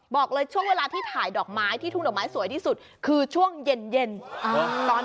บอกเลยช่วงเวลาที่ถ่ายดอกไม้ที่ทุ่งดอกไม้สวยที่สุดคือช่วงเย็น